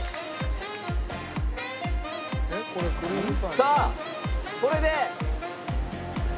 さあこれで。